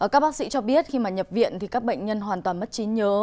các bác sĩ cho biết khi mà nhập viện thì các bệnh nhân hoàn toàn mất trí nhớ